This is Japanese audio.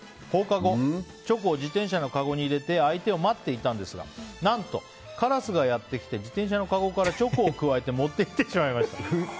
放課後、チョコを自転車のかごに入れて相手を待っていたんですが何とカラスがやってきて自転車のかごからチョコをくわえて持って行ってしまいました。